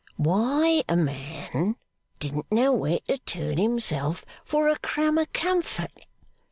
Why, a man didn't know where to turn himself for a crumb of comfort.